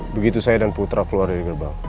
begitu saya dan putra keluar dari gerbang